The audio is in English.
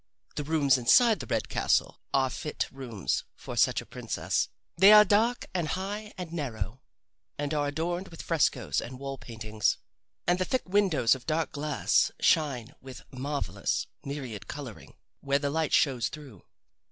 The rooms inside the red castle are fit rooms for such a princess. They are dark and high and narrow, and are adorned with frescoes and wall paintings, and the thick windows of dark glass shine with marvelous, myriad coloring where the light shows through.